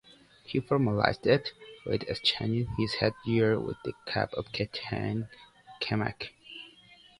He formalised it with exchanging his headgear with the cap of Captain Camac.